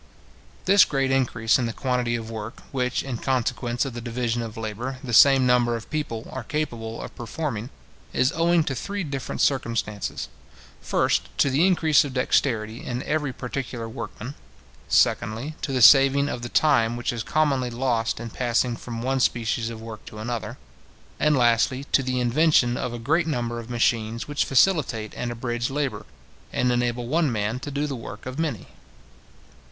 This great increase in the quantity of work, which, in consequence of the division of labour, the same number of people are capable of performing, is owing to three different circumstances; first, to the increase of dexterity in every particular workman; secondly, to the saving of the time which is commonly lost in passing from one species of work to another; and, lastly, to the invention of a great number of machines which facilitate and abridge labour, and enable one man to do the work of many.